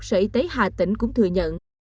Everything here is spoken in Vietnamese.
sở y tế hà tĩnh cũng thừa nhận